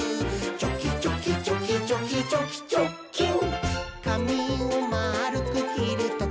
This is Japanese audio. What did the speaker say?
「チョキチョキチョキチョキチョキチョッキン！」